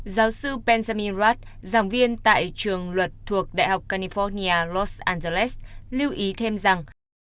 giáo sư benjamin rath giảng viên tại trường luật thuộc đại học california los angeles lưu ý thêm rằng